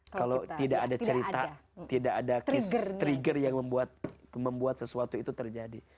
kalau tidak ada cerita tidak ada trigger yang membuat sesuatu itu terjadi